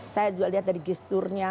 saya juga lihat dari gesture nya